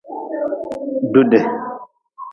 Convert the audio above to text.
Dude.